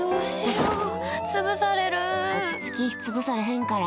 落ち着き、潰されへんから。